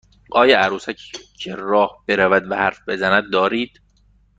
آیا عروسکی که راه برود و حرف بزند دارید؟